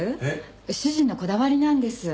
主人のこだわりなんです。